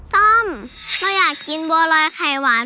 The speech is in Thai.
ต้มเราอยากกินบัวรอยไข่หวาน